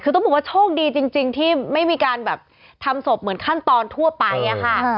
คือต้องบอกว่าโชคดีจริงที่ไม่มีการแบบทำศพเหมือนขั้นตอนทั่วไปอะค่ะ